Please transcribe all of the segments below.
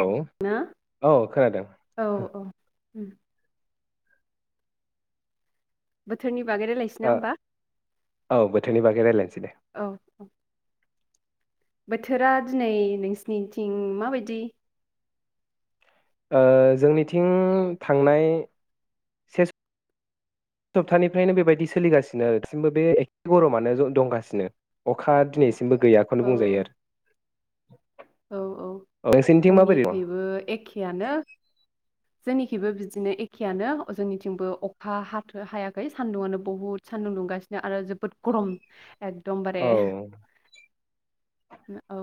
औ ना औ खोनादों औ औ उम बोथोरनि बागै रायलायसैना होमबा औ बोथोरनि बागै रायलायसै दे औ औ बोथोरा दिनै नोंसिनिथिं माबायदि? ओ जोंनिथिं थांनाय से सप्तानिफ्रायनो बेबायदि सोलिगासिनो दासिमबो बे एखे गरमानो दंगासिनो अखा दिनैसिम मबो औ गैयाखौनो बुंजायो आरो औ औ नोंसोरनिथिं माबोरै दं जोंनिखैबो एखेआनो। जोंनिखिबो बिदिनो एखेयानो जोंनिथिंबो अखा हाथो हायाखै सानदुङनो बुहुत सानदुं दुंगासिनो आरो जोबोद गरम। एकदमबारे। औ औ।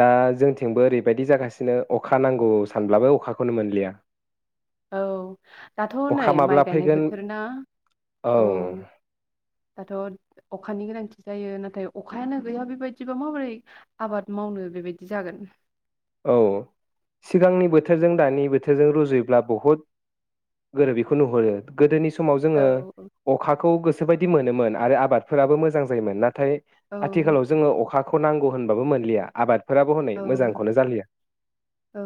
दा जोंथिंबो ओरैबायदि जागासिनो अखा नांगौ सानब्लाबो अखाखौनो मोनलिया। औ। दाथ' नै अखा माइ माब्ला गायनाय फैगोन बोथोर ना औ दाथ' अखानि गोनांथि जायो नाथाय अखायानो गैया बेबायदिबा माबोरै आबाद मावनो बेबायदि जागोन। औ सिगांनि बोथोरजों दानि बोथोरजों रुजुयोब्ला बहुद गोरोबिखौ नुहुरो गोदोनि समाव औ जोङो औ अखाखौ गो सो बायदि मोनोमोन आरो आबादफोराबो मोजां जायोमोन नाथाय औ आथिखालाव जोङो अखा खौ नांगौ होनबाबो मोनलिया आबाद फोराबो हनै औ मोजां औ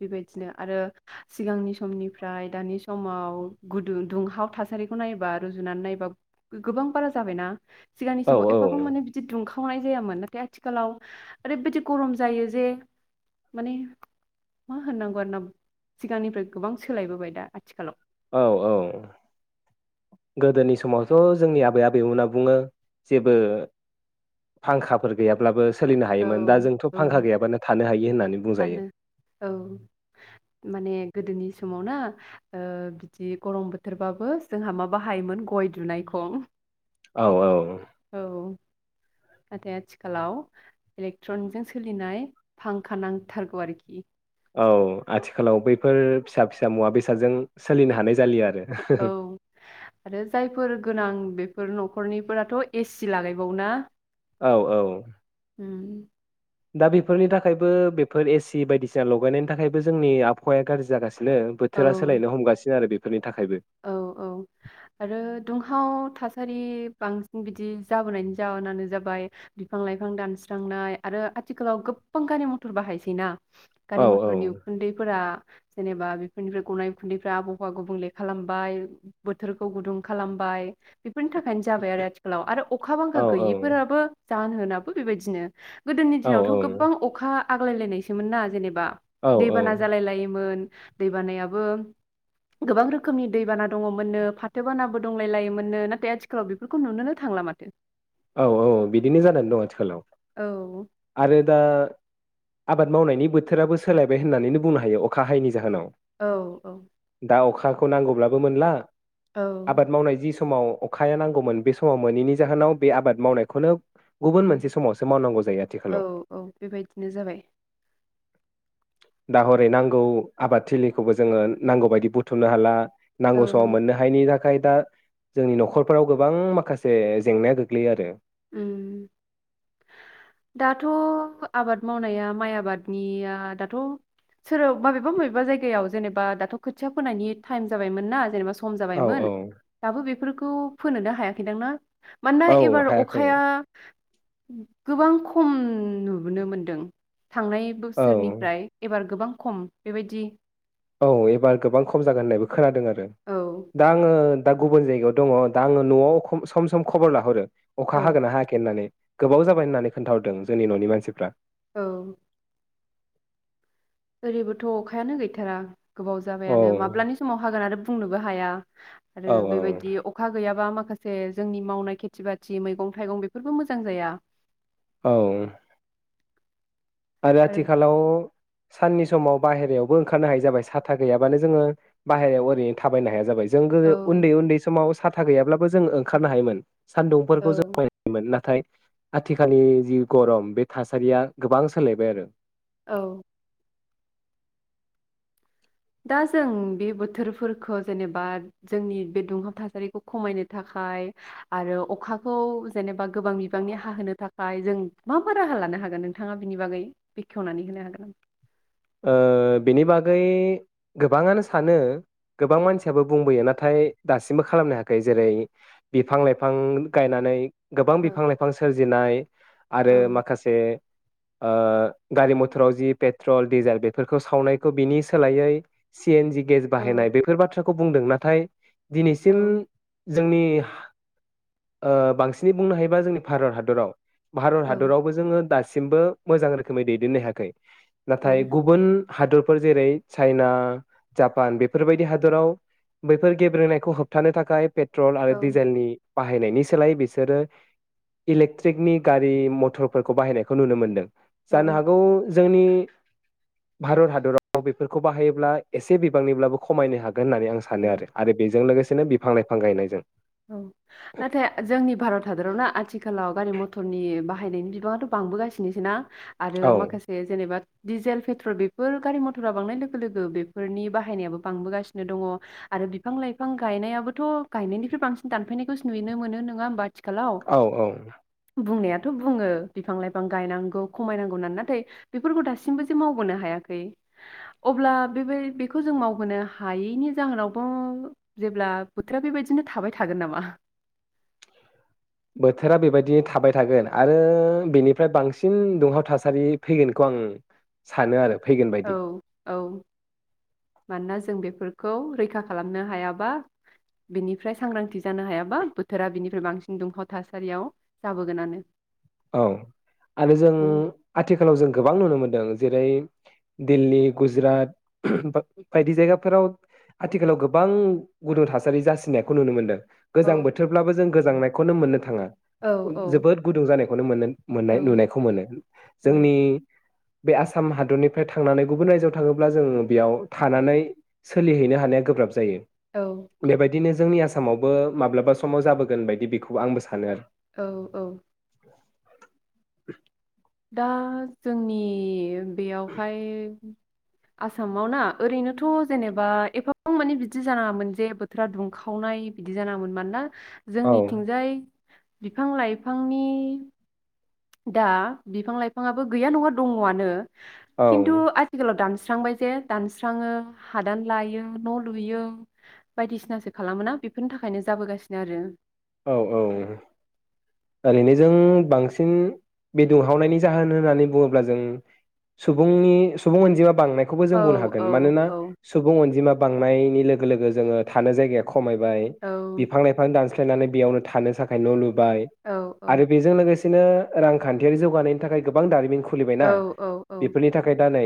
बेबायदिनो आरो सिगांनि समनिफ्राय दानि समाव गुदुं दुंहाव थासारिखौ नायबा रुजुनानै नायबा गोबां बारा जाबायना? सिगां औ सिगाव औ एफाग्राम माने बिदि दुंखा वनाय जायामोन नाथाय आथिखालाव ओरैबायदि गरम जायो जे माने मा होननांगौ आरोना सिगांनिफ्राय गोबां सोलायबोबाय दा आथिखालाव। औ औ गोदोनि समावथ' जोंनि आबै आबेमोना बुङो जेबो फांखाफोर गैयाब्लाबो सोलिनो औ हायोमोन दा जोंथ' औ फांखा गैयाबानो थानो हायो होननानै बुंजायो। सानो औ माने गोदोनि समाव ना ओ बिदि गरम बोथोरबाबो जोंहा मा बाहायोमोन गय दुनायखं। औ औ। औ नाथाय आथिखालाव इलेक्ट्रनजों सोलिनाय फांखा नांथारगौ आरोखि। औ आथिखालाव बैफोर फिसा फिसा मुवा बेसादजों सोलिनो हानाय जालिया आरो औ आरो जायफोर गोनां बेफोर न'खरनिफोराथ' ए सि लागायबावोना? औ औ। उम। दा बेफोरनि थाखायबो बेफोर एसि बायदिसिना लगायनायनि थाखायबो जोंनि आबहावाया गाज्रि जागासि नो औ बोथोरा सोलायनो हमगासिनो आरो बे औ औ आरो दुंहाव थासारि बांसिन बिदि जाबोनायनि जाहोनानो जाबाय बिफां लाइफां दानस्रांनाय आरो आथिखालाव गोबां गारि मथर बाहायसै ना। औ गारि औ मथरनि उखुन्दैफोरा जेनेबा बेफोरनिफ्राय गनाय गुन्दैफ्रा आबहावा गुबुंले खालामबाय बोथोरखौ गुदुं खालामबाय। बेफोरनि थाखायनो जाबाय आरो आथिखालाव आरो अखा बांखा औ गैयिफोराबो जाहोनाबो बेबायदिनो। गोदोनि औ दिनावथ' गोबां अखा आगलाय लायनायसोम ना जेनेबा ना औ दैबाना औ जालाय लायोमोन। दै बानायाबो गोबां रोखोम खोमनि दैबाना दङमोननो फाथो बानाबो दंलाय लायोमोननो नाथाय आथिखालाव बेफोरखौ नुुनोनो थांला माथो। औ औ बिदिनो जादों द आथिखालाव औ आरो दा आबाद मावनायनि बोथोराबो सोलायबाय होननानैनो बुंनो हायो अखा हायैनि जाहोनाव। औ औ। दा अखाखौ नांगौब्लाबो मोनला। औ आबाद मावनाय जि स समाव अखाया नांगौमोन बे समाव मोनैनि जाहोनाव बे आबाद मावनायखौनो गुबुन मोनसे समावसो मावनांगौ जायो आथिखालाव औ औ बेबायदिनो जाबाय। दा हरै नांगौ आबाद थिलिखौबो जोंङो नांगौ बायदि बुथुमनो हाला। नांगौ समाव औ मोननो हायनि खाय दा जोंनि नख'रफोराव गोबां माखासे जेंनाया गो ग्लोयो आरो। उम दाथ' आबाद मावनाया माइ आबादनिया दाथ' सोरब मबेबा मबेबा जायगायाव जेनेबा दाथ' खोथिया फोनायनि टाइम जाबायमोन ना जेनेबा। सम औ जाबायमोन औ दाबो बेफोरख खौ फोनोनो हायाखैदां ना? मानोना औ एबार अख हायाखै खाया गोबां खम नुबोनो मोनदों। थांनाय औ बोसोरनिफ्राय एबार गोबां खम बेबायदि। औ एबार गोबां खम जागोन होननायबो खोनादों औ दा आङो दा गुबुन जायगायाव दङ दा आङो न'आव खम सम सम खबर लाहरो। औ अखा हागोना हायाखै होननानै। गोबाव जाबाय होननानै खोन्थाहरदों जोंनि न'नि मानसिफ्रा। औ। ओरैबोथ' अखायानो गैथारा। गोबाव औ जाबायानो माब्लानि समाव हागोन आरो। बुंनोबो हाया। आरो औ बेबायदि अखा गैयाबा माख माखासे जोंनि मावनाय खेथि बाथि मैगं थाइगं बेफोरबो मोजां जाया। औ। आरो आथिखालाव साननि समाव बाहेरायावबो ओंखारनो हायै जाबाय सााथा गैयाबानो जोङो बाहेरायाव ओरैनो थाबायनो हाया जाबाय। जों गोदो औ उन्दै उन्दै समाव सा था गोयाब्लाबो जों ओंखारनो हायोमोन। सान्दुंफोरखौ जों औ बायोमोन। नाथाय आथिखालनि जि गरम बे थासारिया गोबां सालायबाय आरो। औ। दा जों बे बोथोरफोरखौ जेनेबा जोंनि बे दुंहाव थासारिखौ खमायनो थाखाय आरो अखाखौ जेनेबा गोबां बिबांनि हाहोनो थाखाय जों मा बा राहा लानो हागोन। नोंथाङा बिनि बागै बेखेवनानै होनो हागोन नामा? ओ बेनि बागै गोबाङानो सानो गोबां मानसियाबो बुंबोयो नाथाय दासिमबो खालामनो हायाखै। जेरै बिफां लाइफां गायनानै गोबां नामा? औ बिफां लाइफां सोरजिनाय आरो औ माखासे ओ गारि मथराव जि पेट्रल रिजाल बेफोरखौ सावनायखौ बिनि सोलायै सि एन जि गेस औ बाहायनाय बेफोर बाथ्राखौ बुंदों। नाथाय दिनैसिम औ जोंनि ओ बांसिनै बुंनो हायोबा जोंनि भारत हादराव भारत औ हादरावबो जोङो दास सिमबो मोजां रोखोमै दैदेननो हायाखै। नाथाय औ गुबुन हादरफोर जेरै चाइना, जापान बेफोरबायदि हादराव बैफोर गेब्रेनायखौ होबथानो थाखाय पेट्रल आरो डिजेलनि बाहायनायनि सोलायै बिसोरो इलेक्ट्रिकनि गारि मथरफोरखौ बाहायनायखौ नुनो मोन्दों। औ जानो हागौ जोंनि भारत हादराव बेफोरखौ बाहायोब्ला एसे बिबांनिब्लाबो खमायनो हाग होननानै आं औ सानो आरो बेजों लोगोसे बिनो बिफां लाइफां गायनायजों। औ नाथाय जोंनि भारत हादराव ना आथिखालाव गारि मथरनि बा बाहायनायनि बिबाङाथ' बांबोगासिनोसै ना? आरो औ माखासे जेनेबा दिडिजेल पेट्रल बेफोर गारि मथरा बांनाय लोगो लोगो बेफोरनि बाहायनायाबो बांबोगासिनो दङ आरो बिफां लाइफां गायनायाबोथ' गायनायनि बेफोर बांसि दानफैनायखौस नुनो मोनो नङा होमबा? आथिखालाव औ औ बुंनाय' बुङो बिफां लाइफां गायनांगौ खमायनांगौ होन्नानै नाथाय बिफोरखौ दासिमबोजे मावबोनो हायाखै अब्ला बेसे बेखौ जों मावबोनो हायैनि जाहोनावबो जेब्ला बोथोरा बेबाय बिनो थाबाय थागोन नामा? बोथोरा बेबायदि थाबाय थागोन आरो बेनिफ्राय बांसिन दुंहाव थासारि फैगोनखौ आं सानो आरो फैगोन औ बायदि औ मानोना जों बेफोरखौ रैखा खालामनो हायाबा बिनिफ्राय सांग्रांथि जानो हायाबा बोथोरा बिनिफ्राय बांसिन दुंहाव थासारियाव जाबोगोनानो औ आरो जों औ आथिखालाव जों गोबां नुनो मोनदों जेरै दिल्ली गुजरात बायदि जायगाफोराव आथिखालाव गोबां गुुनुं थासारि जासिनायखौ नुनो मोनदों गोजां औ बोथोरब्लाबो जों गो गोजांनायखौनो मोननो थाङा औ जोबोद गुदुं जानाय नुनो मोनोन मोननाय नुनायखौ मोनो औ जोंनि बे आसाम हादरनिफ्राय थांनानै गुबुन रायजोआव थाङोब्ला जोंङ बेयाव थानानै सोलिहैनो हानाया गोब्राब जायो औ जायो बेबायदिनो जोंनि आसामावबो माब्लाबा समाव जाबोगोन बायदि बेखौ आंबो सानो आरो औ औ [inaudible] दा जोंनि बेयावहाय आसामाव ना ओरैनोथ' जेनेबा एफाबां माने बिदि जानाङामोन जे बोथोरा दुंखावनाय बिदि जानाङामोन मानोना औ जोंनिथिंजाय बिफां लाइफांनि दा बिफां लाइफाङाबो गैया नङा दङ आनो औ खिनथु आथिखालाव दान्स सुस्रांबाय जे दानस्राङो हादान लायो न' लुयो बायदिसिनासो खालामोना बेफोरनि थाखायनो जाबोगासिनो आरो औ औ ओरैनो जों बांसिन बे दुंहावनायनि जाहोन होननानै बुङोब्ला जों सुबुंनि सुबुं अनजिमा बांनायखौबो औ जों बुंनो हागोन औ मानोना औ सुबुं अनजिमा बांनायनि लोगो लोगो जोङो थानो जायगाखौ खमायबाय औ बिफां लाइफां दानस सायनानै बेयावनो थानो थाखाय न' लुबैयो बाय औ औ आरो बेजों लोगोसे [unintelligible] रांखान्थियारि जौगानायनि थाखाय गोबां दारिमिनखौ खुलिबायना औ औ औ बेफोरनि थाखाय दा नै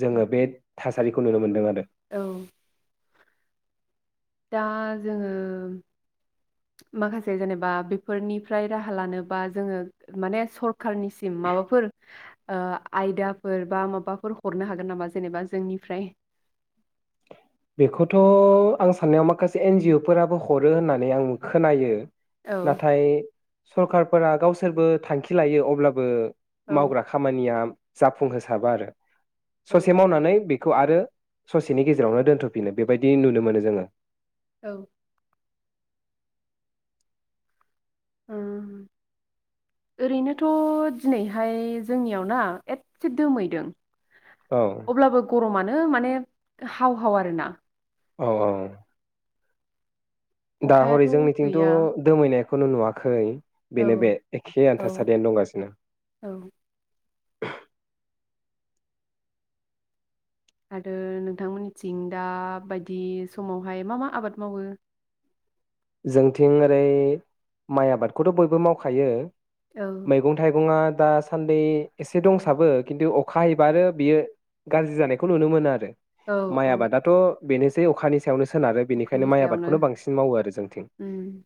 जोङो बे थासारिखौ नुनो मोनदों आरो औ आ जोङो माखासे जेनेबा बेफोरनिफ्राय राहा लानोबा जोङो माने सरखारनिसिम माबाफोर ओ आयदाफोर बा माबाफोर हरनो हागोन नामा जेनेबा जोंनिफ्राय? बेखौथ' आं साननायाव माखासे एन जि अ फोराबो हरो होननानै आं खोनायो। औ नाथाय सरखारफोरा गावसोरबो थांखि लायो अब्लाबो औ मावग्रा खामानिया जाफुंहोसाबा आरो औ ससे औ मावनानै बे खौ आरो ससेनि गेजेरावनो दोन थोफिनो बेबायदि नुनो मोनो जोङो। औ उम ओरैनोथ' दिनैहाय जोंनियाव ना एदसे दोमैदों औ अब्लाबो गरमानो [unintelligible] माने हाव हाव आरोना औ औ दा हरै अखायाथ' जोंनिथिंथ' गैया दोमैनाय खौनो नुवाखै बेनो बे औ एखे औ आन्थासारियानो दंगासिनो औ आरो नोंथांमोननिथिं दा बायदि समावहाय मा मा आबाद मावो? जोंथिं ओरै माइ आबादखौथ' बयबो मावखायो। औ मैगं थाइगंआ दासान्दि एसे दंसाबो खिन्थु अखा हायोबा आरो बियो गाज्रि जानायखौ नुनो मोनो आरो औ माइ औ आबादाथ' बेनोसै अखानि सायावनो सोनारो बेनिखायनो अखानि माइ सायावनो आबादखौनो बांसिन मावो आरो जों उम [inaudible]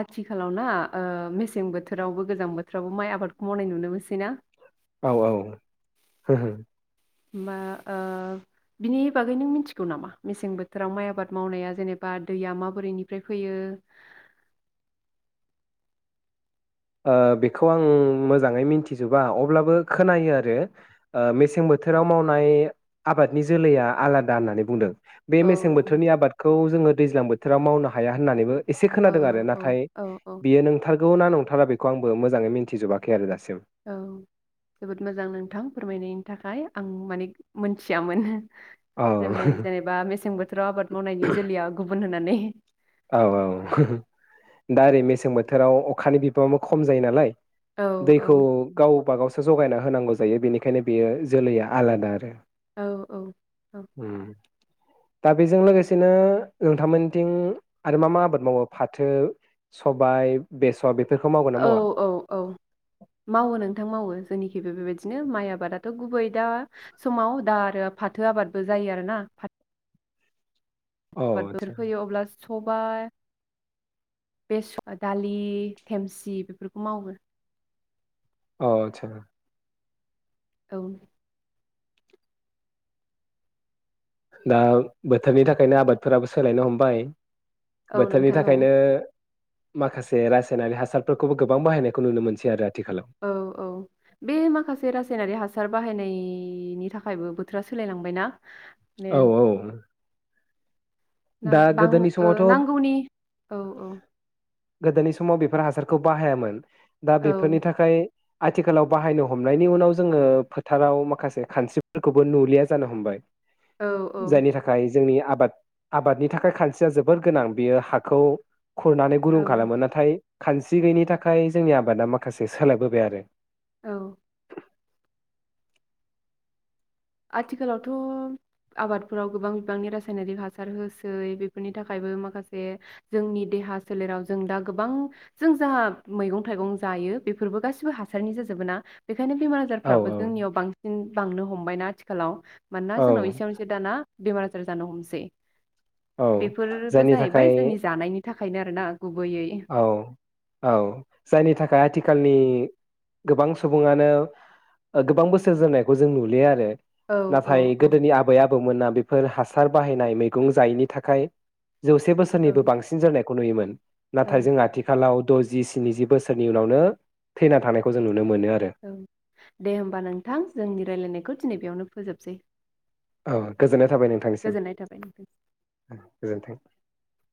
आथिखालाव ना ओ मेसें बोथोरावबो गोजां बोथोरावबो माइ आबादखौ मावनाय नुनो मोनसै ना? औ औ [unintelligible] होमबा ओ बिनि बागै नों मिथिगौ नामा मेसें बोथोराव माइ आबाद मावनाया जेनेबा दैया माबोरैनिफ्राय फैयो? ओ बेखौ आं मोजाङै मिथिजोबा अब्लाबो खोनायो आरो ओ मेसें बोथोराव मावनाय आबादनि जोलैया आलादा होननानै बुंदों। बे मेसें औ बोथोरनि आबादखौ जोङो दैज्लां बोथ बोथोराव मावनो हाया होननानैबो एसे औ खोनादों आरो नाथाय औ औ बियो नोंथारगौ ना नं थाराखौ आंबो मोजाङै मिन्थिजोबाखै आरो दासिम औ जोबोद मोजां नोंथां फोरमायनायनि थाखाय आं माने मोनथियामोन। औ जेन मे जेनेबा मेसें बोथोराव आबाद मावनायनि जोलेया गुबुन नानै औ औ हो हो दा ओरै मेसें बोथोराव अखानि बिबाङाबो खम जायो नालाय औ औ दैखौ गावबा गाव जगायना होनांगौ जायो बेनिखायनो बेयो जोलैया आलादा आरो औ औ औ उम दा बेजों लोगोसेनो नोंथांमोनथिं आरो मा मा आबाद मावो फाथो सबाय बेसर बे औ औ औ मावो नोंथां मावो जोंनि बेबो बेबायदिनो माइ आबादाथ' गुबै दा समाव दा आरो फाथो आबादबो जायो आरो ना अ बाद थोर आदसा फैयो अब्ला हबाइ बेस दालि थेमसि बेफोरखौ मावो अ आदसा। औ दा बोथोरनि थाखायनो आबादफोराबो सोलायनो हमबाय औ बोथोरनि नोंथां औ थाखायनो माखासे रासायनारिक हासारफोरखौबो गोबां बाहायनायखौ नुनो मोनसै आरो आथिखालाव औ औ बे माखासे रासायनारि हासार बाहायनाय इ नि थाखायबो बोथोरा सोलायलांबायना माने औ औ ना दा बां गोदोनि ओ समावथ' नांगौनि औ औ गोदोनि समाव बेफोर हासारखौ बाहायामोन दा औ बेफोरनि थाखाय आथिखालाव बाहायनो हमनायनि उनाव जोङो फोथाराव माखासे खानस्रिफोरखौबो नुलिया जानो हमबाय औ औ जायनि थाखाय जोंनि आबाद आबादनि थाखाय खानसिया जोबोर गोनां बेयो हाखौ खुरनानै गुुरुं औ खालामो नाथाय खानस्रि गैयिनि थाखाय जोंनि आबादा माखासे सोलायबोबाय आरो औ आथिखालावथ' आबादफोराव गोबां बिबांनि रासायनारिक हासार होसै बेफोरनि थाखायबो माखासे जोंनि देहा सोलेराव जों दा गोबां जों जा मैगं थाइगं जायो बेफोरबो गासिबो हासारनि जाजोबोना बेखायनो बेमार औ आजारफ्राबो औ जोंनियाव बांसिन बांनो हमबाय थि खालाव मोनानोना जोंनाव औ एसेयावनोसै दाना बेमार आजार जानो हमसै। औ बेफोरबो जायनि जाहैबाय थाखाय जोंनि जानायनि थाख खायनो आरोना। गुबैयै औ औ जायनि थाखाय आथिखालनि गो गोबां सुंबुङानो ओ गोबां बोसोर जोरनायखौ जों नुयो आरो। औ नाथाय औ गोदोनि आबै आबौमोना बे फोर हासार बाहायनाय मैगं जायैनि थाखाय जौसे बोसोरनिबो औ बांसिन जोरनायख खुनुङोमोन। नाथाय औ जों आथिखालाव दजि स्निजि बोसोरनि उनावनो थैना थानायखौ जों नुनो मोनो आरो औ दे होनबा नोंथां जोंनि रायलायनायखौ दिनै बेयावनो फो फोजोबसै औ गोजोननाय थाबाय नोंथांनिसिम। गोजोननाय थाबाय नोंथां गोजोन्थों।